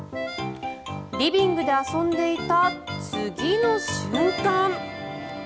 リビングで遊んでいた次の瞬間。